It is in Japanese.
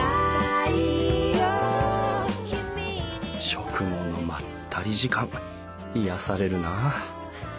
食後のまったり時間癒やされるな。